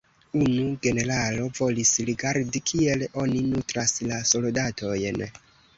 Unu generalo volis rigardi, kiel oni nutras la soldatojn.